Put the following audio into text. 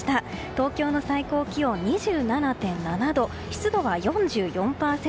東京の最高気温２７．７度湿度は４４％。